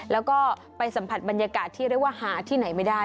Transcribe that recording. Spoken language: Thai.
แล้วก็ไปสัมผัสบรรยากาศที่เรียกว่าหาที่ไหนไม่ได้